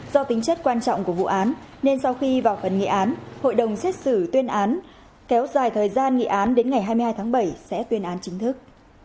do tính chất quan trọng của vụ án nên sau khi vào phần nghị án hội đồng xét xử tuyên án kéo dài thời gian nghị án đến ngày hai mươi hai tháng bảy sẽ tuyên án chính thức